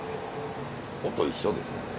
音一緒ですね。